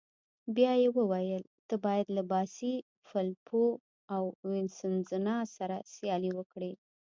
بیا يې وویل: ته باید له باسي، فلیپو او وینسزنا سره سیالي وکړې.